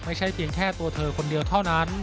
ไม่ใช่เพียงแค่ตัวเธอคนเดียวเท่านั้น